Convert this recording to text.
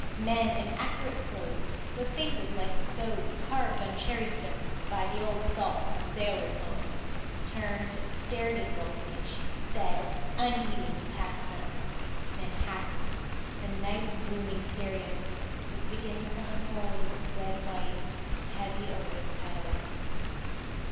Men in accurate clothes, with faces like those carved on cherry stones by the old salts in sailors' homes, turned and stared at Dulcie as she sped, unheeding, past them. Manhattan, the night blooming cereus, was beginning to unfold its dead white, heavy odoured petals.